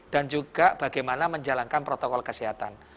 dan juga bagaimana menjalankan protokol kesehatan